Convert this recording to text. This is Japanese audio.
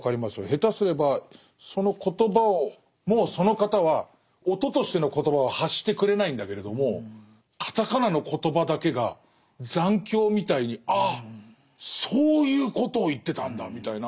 下手すればそのコトバをもうその方は音としての言葉は発してくれないんだけれどもカタカナのコトバだけが残響みたいにああそういうことを言ってたんだみたいな。